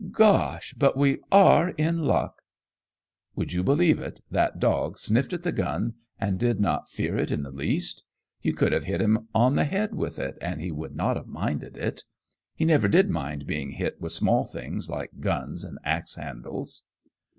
Gosh! but we are in luck!" Would you believe it, that dog sniffed at the gun, and did not fear it in the least? You could have hit him on the head with it and he would not have minded it. He never did mind being hit with small things like guns and ax handles.